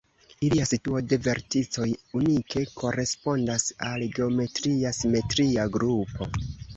Ilia situo de verticoj unike korespondas al geometria simetria grupo.